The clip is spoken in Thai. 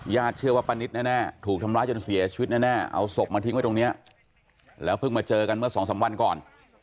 เชื่อว่าป้านิตแน่ถูกทำร้ายจนเสียชีวิตแน่เอาศพมาทิ้งไว้ตรงนี้แล้วเพิ่งมาเจอกันเมื่อสองสามวันก่อน